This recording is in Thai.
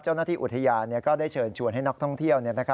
เจ้าหน้าที่อุทยานก็ได้เชิญชวนให้นักท่องเที่ยว